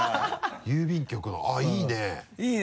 郵便局のあぁいいね。